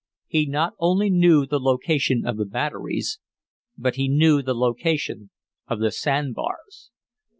He not only knew the location of the batteries, but he knew the location of the sand bars.